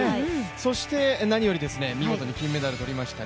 そして何より見事に金メダルを取りました